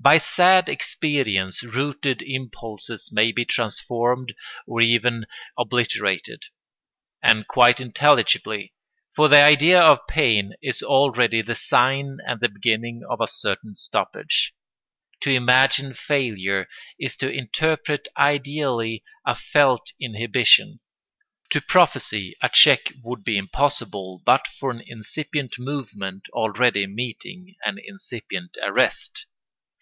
By sad experience rooted impulses may be transformed or even obliterated. And quite intelligibly: for the idea of pain is already the sign and the beginning of a certain stoppage. To imagine failure is to interpret ideally a felt inhibition. To prophesy a check would be impossible but for an incipient movement already meeting an incipient arrest.